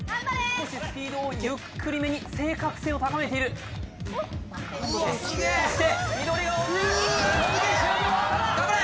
少しスピードをゆっくりめに正確性を高めているそして緑が落ちる頑張れ！